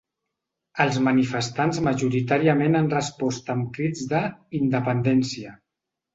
Els manifestants majoritàriament han respost amb crits de ‘Independència’.